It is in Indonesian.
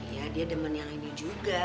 ya dia demen yang ini juga